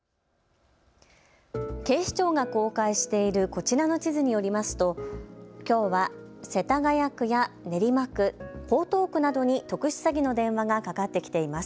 警視庁が公開しているこちらの地図によりますときょうは世田谷区や練馬区、江東区などに特殊詐欺の電話がかかってきています。